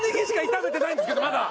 まだ！